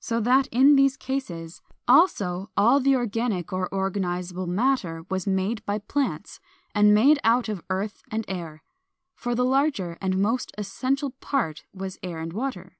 So that in these cases also all the organic or organizable matter was made by plants, and made out of earth and air. Far the larger and most essential part was air and water.